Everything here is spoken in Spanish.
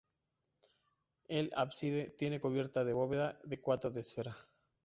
El ábside tiene cubierta de bóveda de cuarto de esfera.